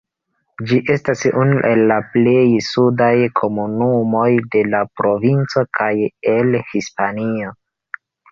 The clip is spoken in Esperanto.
Ĝi estas unu el la plej sudaj komunumoj de la provinco kaj el Hispanio.